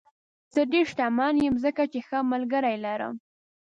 زه ډېر شتمن یم ځکه چې ښه ملګري لرم.